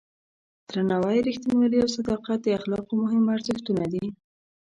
درناوی، رښتینولي او صداقت د اخلاقو مهم ارزښتونه دي.